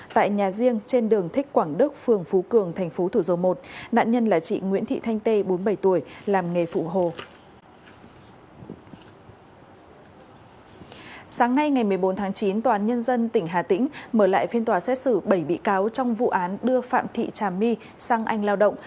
tại phiên tòa xét xử bảy bị cáo trong vụ án đưa phạm thị trà my sang anh lao động